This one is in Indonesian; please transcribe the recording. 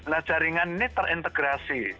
nah jaringan ini terintegrasi